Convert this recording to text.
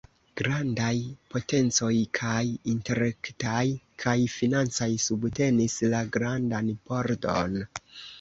Grandaj potencoj, kaj intelektaj kaj financaj subtenis la "grandan pordon".